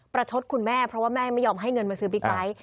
ชดคุณแม่เพราะว่าแม่ไม่ยอมให้เงินมาซื้อบิ๊กไบท์